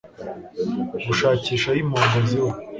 Gushakisha aho impongo ziba